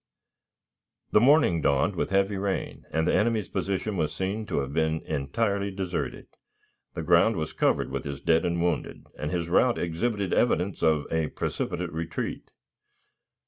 The morning dawned with heavy rain, and the enemy's position was seen to have been entirely deserted. The ground was covered with his dead and wounded, and his route exhibited evidence of a precipitate retreat.